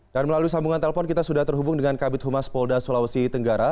dan melalui sambungan telpon kita sudah terhubung dengan kabit humas polda sulawesi tenggara